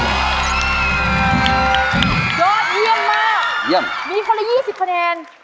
ยอดเยี่ยมมากเยี่ยมมีคนละ๒๐คะแนน